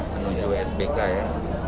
menuju sbk ya